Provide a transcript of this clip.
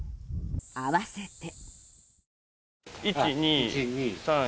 合わせて。